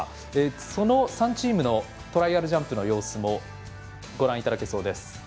その３チームのトライアルジャンプの様子もご覧いただけます。